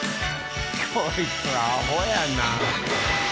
こいつアホやな！